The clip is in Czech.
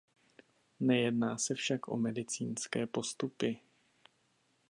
Nejedná se však o medicínské postupy.